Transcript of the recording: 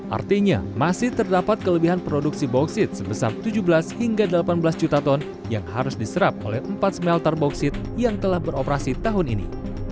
artinya masih terdapat kelebihan produksi bauksit sebesar tujuh belas hingga delapan belas juta ton yang harus diserap oleh empat smelter bauksit yang telah beroperasi tahun ini